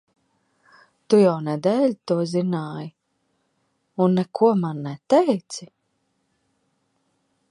Tu jau nedēļu to zināji, un neko man neteici?